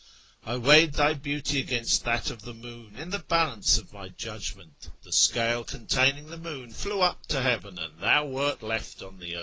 " I weighed thy beauty against that of the moon in tlie balance of my judgment : The scale containing the moon flew up to heaven, and thou wert left on the earth